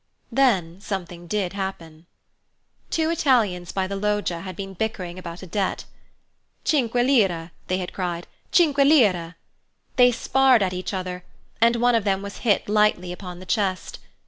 Then something did happen. Two Italians by the Loggia had been bickering about a debt. "Cinque lire," they had cried, "cinque lire!" They sparred at each other, and one of them was hit lightly upon the chest.